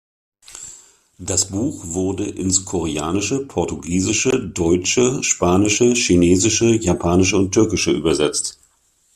Das Buch wurde ins Koreanische, Portugiesische, Deutsche, Spanische, Chinesische, Japanische und Türkische übersetzt.